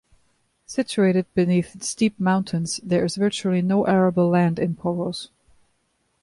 Situated beneath steep mountains, there is virtually no arable land in Poros.